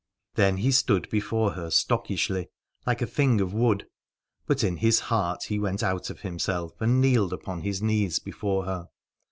Then he stood before her stockishly, like a thing of wood : but in his heart he went out of himself and kneeled upon his knees before her.